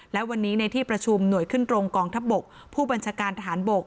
และวันนี้ในที่ประชุมหน่วยขึ้นตรงกองทัพบกผู้บัญชาการทหารบก